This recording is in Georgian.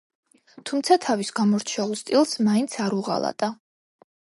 თუმცა თავის გამორჩეულ სტილს მაინც არ უღალატა.